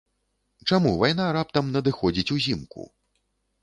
Чаму вайна раптам надыходзіць узімку?